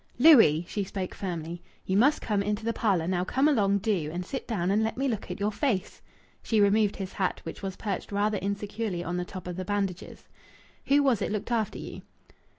"Louis!" She spoke firmly. "You must come into the parlour. Now come along, do, and sit down and let me look at your face." She removed his hat, which was perched rather insecurely on the top of the bandages. "Who was it looked after you?"